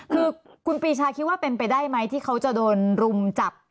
คือคุณปีชาคิดว่าเป็นไปได้ไหมที่เขาจะโดนรุมจับ